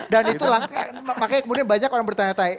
dan itu langkah makanya kemudian banyak orang bertanya